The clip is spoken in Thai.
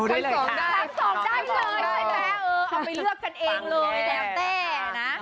คัน๒ได้เลยใช่ไหมเอาไปเลือกกันเองเลย